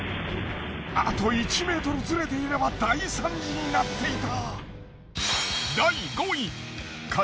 あと１ｍずれていれば大惨事になっていた。